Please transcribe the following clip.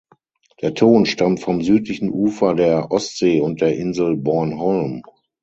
Der Ton stammt vom südlichen Ufer der Ostsee und der Insel Bornholm.